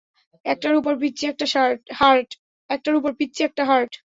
একটার উপর পিচ্চি একটা হার্ট।